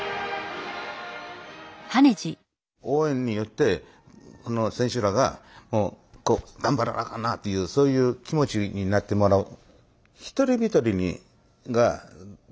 応援によってこの選手らがもう頑張らなあかんなというそういう気持ちになってもらう。